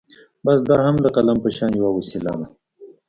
بس دا هم د قلم په شان يوه وسيله ده.